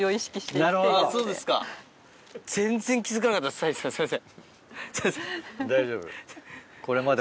すいません。